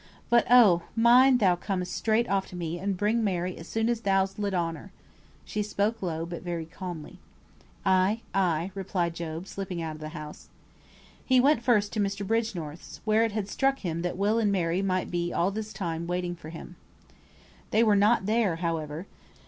But, oh! mind thou com'st straight off to me, and bring Mary as soon as thou'st lit on her." She spoke low, but very calmly. "Ay, ay!" replied Job, slipping out of the house. He went first to Mr. Bridgenorth's, where it had struck him that Will and Mary might be all this time waiting for him. They were not there, however.